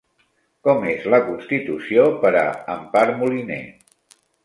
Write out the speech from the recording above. Com és la constitució per a Empar Moliner?